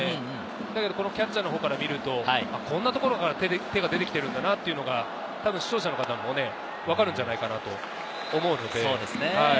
だけどキャッチャーのほうから見ると、こんなところから手が出てきてるんだなっていうのが視聴者の方もわかるんじゃないかなと思うので。